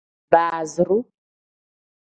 Baaziru.